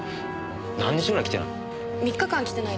何日ぐらい来てない？